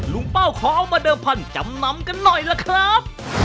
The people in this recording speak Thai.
เป้าขอเอามาเดิมพันธุ์จำนำกันหน่อยล่ะครับ